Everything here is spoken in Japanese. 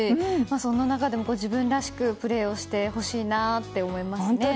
そんな中でも、ご自分らしくプレーしてほしいですね。